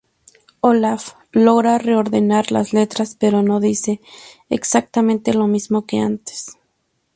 Olaf logra reordenar las letras, pero no dice exactamente lo mismo que antes.